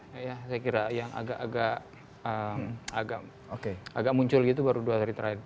saya kira yang agak agak muncul gitu baru dua hari terakhir